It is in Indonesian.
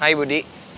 hai ibu d